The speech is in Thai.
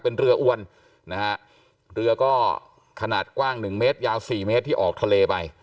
เป็นเรืออวนนะครับเรือก็ขนาดกว้าง๑เมตรยาว๔เมตรที่ออกทะเลไป